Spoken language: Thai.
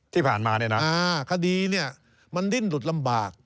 ที่ผ่านมาเนี่ยนะคดีเนี่ยมันดิ้นหลุดลำบาก